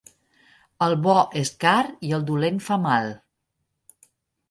El bo és car i el dolent fa mal.